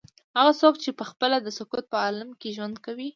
هغه څوک چې پخپله د سکوت په عالم کې ژوند کوي.